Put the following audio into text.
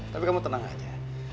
tapi kamu tenang aja